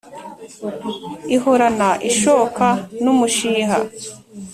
Ihorana ishoka n'umushiha